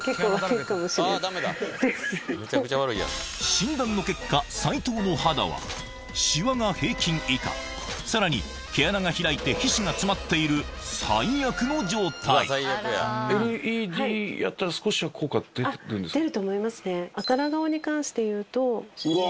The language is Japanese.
診断の結果斉藤の肌はしわが平均以下さらに毛穴が開いて最悪の状態出ると思いますね。